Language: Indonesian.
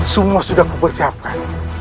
semua sudah kuperciapkan